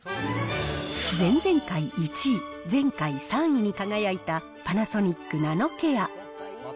前々回１位、前回３位に輝いた、パナソニックナノケア。